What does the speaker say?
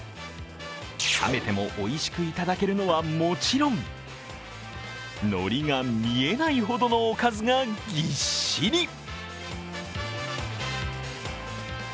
冷めてもおいしくいただけるのはもちろんのりが見えないほどのおかずがぎっしり。